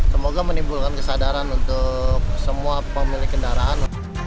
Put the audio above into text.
semoga menimbulkan kesadaran untuk semua pemilik kendaraan